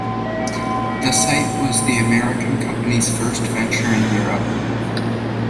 The site was the American company's first venture in Europe.